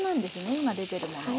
今出てるものは。